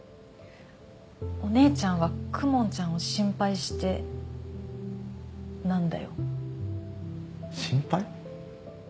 お姉ちゃんは公文ちゃんを心配してなんだよ心配？